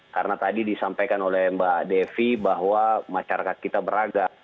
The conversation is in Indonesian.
karena tadi disampaikan oleh mbak devi bahwa masyarakat kita beragam